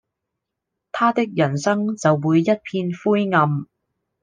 他的人生就會一片灰暗